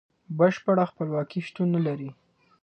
بشپړه خپلواکي شتون نلري.